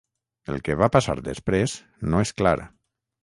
El que va passar després no és clar.